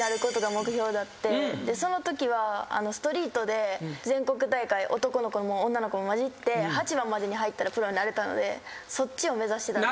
そのときはストリートで全国大会男の子も女の子も交じって８番までに入ったらプロになれたのでそっちを目指してたんですよ。